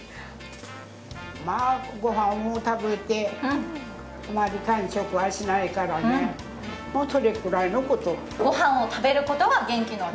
まぁ、ご飯を食べてあまり間食はしないからね、それぐらいのこと。